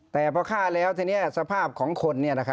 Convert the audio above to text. แต่พอฆ่าแล้วทีนี้สภาพของคน